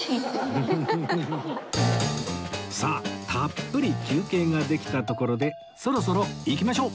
さあたっぷり休憩ができたところでそろそろ行きましょう